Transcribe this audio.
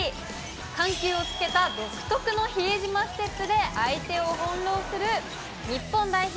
緩急をつけた独特の比江島ステップで相手を翻弄する、日本代表、